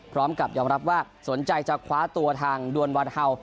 พร้อมกับยอมรับว่าสนใจจะคว้าตัวทางดวนวานเฮาส